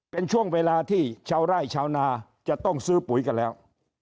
เป็นช่วงเวลาที่ชาวไร่ชาวนาจะต้องซื้อปุ๋ยกันแล้ว